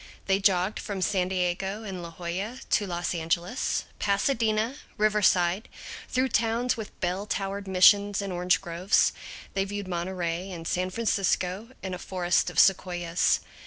They jogged from San Diego and La Jolla to Los Angeles, Pasadena, Riverside, through towns with bell towered missions and orange groves; they viewed Monterey and San Francisco and a forest of sequoias.